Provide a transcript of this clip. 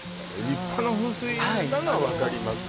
立派な噴水なのは分かります